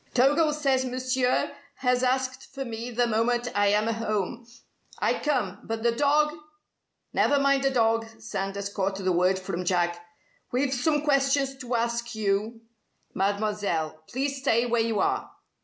"Togo says Monsieur has asked for me the moment I am home. I come. But the dog " "Never mind the dog!" Sanders caught the word from Jack. "We've some questions to ask you, Mademoiselle. Please stay where you are."